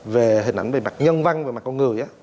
về hình ảnh về mặt nhân văn về mặt con người á